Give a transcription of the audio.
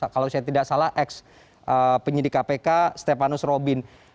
kalau saya tidak salah ex penyidik kpk stepanus robin